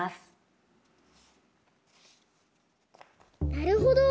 なるほど！